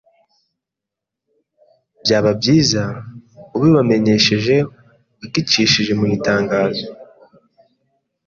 Byaba byiza ubibamenyesheje ugicishije mu itangazo.